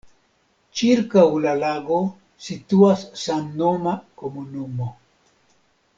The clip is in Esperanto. Ĉirkaŭ la lago situas samnoma komunumo.